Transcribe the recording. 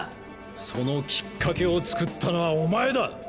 そのきっかけをつくったのはお前だ！